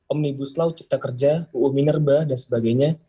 omnibus law cipta kerja uu minerba dan sebagainya